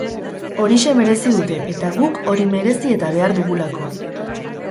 Horixe merezi dute eta guk hori merezi eta behar dugulako.